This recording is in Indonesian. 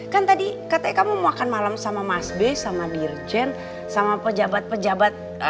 kan tadi katanya kamu makan malem sama mas be sama dirjen sama pejabat pejabat